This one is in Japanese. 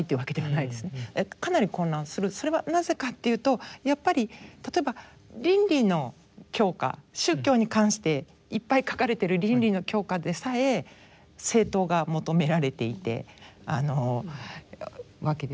それはなぜかというとやっぱり例えば倫理の教科宗教に関していっぱい書かれてる倫理の教科でさえ正答が求められていてわけですよね。